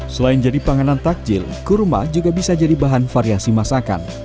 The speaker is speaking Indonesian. selain jadi panganan takjil kurma juga bisa jadi bahan variasi masakan